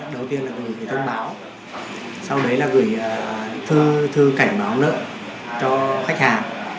đầu tiên là gửi thông báo sau đấy là gửi thư thư cảnh báo nợ cho khách hàng